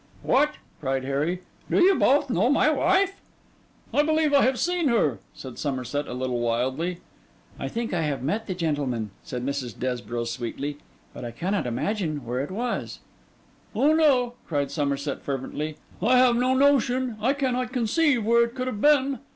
'What!' cried Harry, 'do you both know my wife?' 'I believe I have seen her,' said Somerset, a little wildly. 'I think I have met the gentleman,' said Mrs. Desborough sweetly; 'but I cannot imagine where it was.' 'Oh no,' cried Somerset fervently: 'I have no notion—I cannot conceive—where it could have been.